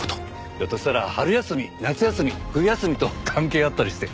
ひょっとしたら春休み夏休み冬休みと関係あったりして。